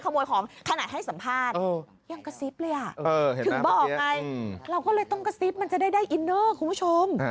โค้ยคุณผู้ชม